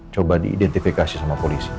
coba diidentifikasi sama polisi